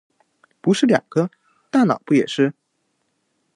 不是两个？大脑不也是？